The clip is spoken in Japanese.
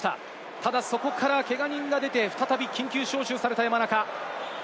ただそこから、けが人が出て再び緊急招集された山中。